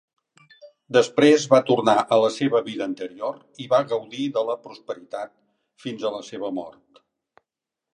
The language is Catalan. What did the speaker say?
Després va tornar a la seva vida anterior i va gaudir de la prosperitat fins a la seva mort.